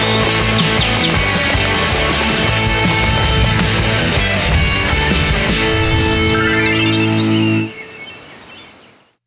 โอ้โหไทยแลนด์